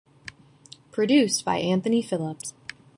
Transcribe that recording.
Produced by Anthony Phillips.